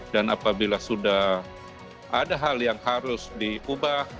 dan apabila sudah ada hal yang harus diubah